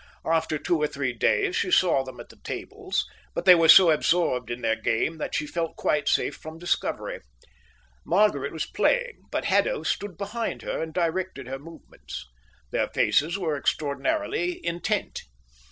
After two or three days she saw them at the tables, but they were so absorbed in their game that she felt quite safe from discovery. Margaret was playing, but Haddo stood behind her and directed her movements. Their faces were extraordinarily intent.